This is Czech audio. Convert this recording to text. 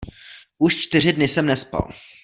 Už čtyři dny jsem nespal.